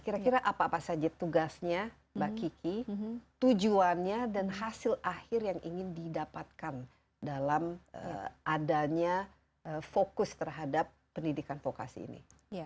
kira kira apa apa saja tugasnya mbak kiki tujuannya dan hasil akhir yang ingin didapatkan dalam adanya fokus terhadap pendidikan vokasi ini